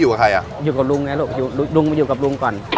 อยู่กับลุงไงลุงลุงไปอยู่กับลุงก่อน